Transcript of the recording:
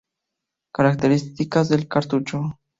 Características del cartucho